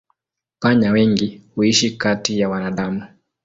Panya wengi huishi kati ya wanadamu.